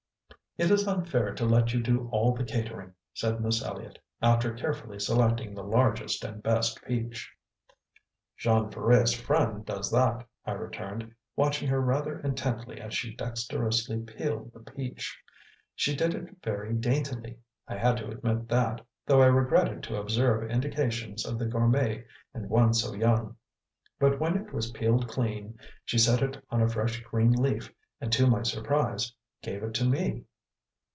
"It is unfair to let you do all the catering," said Miss Elliott, after carefully selecting the largest and best peach. "Jean Ferret's friend does that," I returned, watching her rather intently as she dexterously peeled the peach. She did it very daintily, I had to admit that though I regretted to observe indications of the gourmet in one so young. But when it was peeled clean, she set it on a fresh green leaf, and, to my surprise, gave it to me.